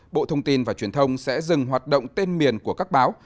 bộ thông tin và truyền thông sẽ dừng hoạt động tên miền của các báo